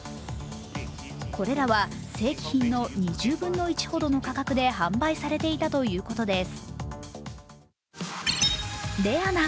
これらは正規品の２０分の１ほどの価格で販売されていたということです。